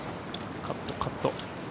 カット、カット。